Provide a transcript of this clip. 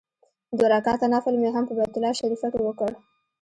دوه رکعته نفل مې هم په بیت الله شریفه کې وکړ.